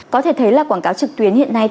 có thể thấy là quảng cáo trực tuyến hiện nay